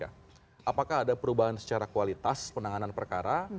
apakah ada perubahan secara kualitas penanganan perkara